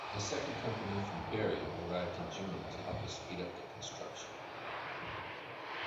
A second company from Barrie arrived in June to help speed up the construction.